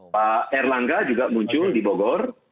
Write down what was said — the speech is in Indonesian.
pak erlangga juga muncul di bogor